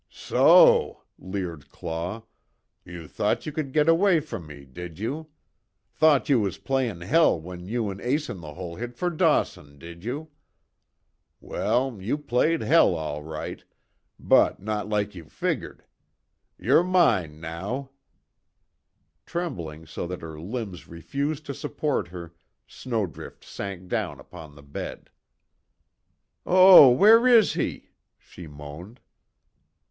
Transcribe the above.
"So," leered Claw, "You thought you could git away from me did you? Thought you was playin' hell when you an' Ace In The Hole hit fer Dawson, did you? Well, you played hell, all right but not like you figgered. Yer mine, now." Trembling so that her limbs refused to support her, Snowdrift sank down upon the bed. "Oh where is he?" she moaned.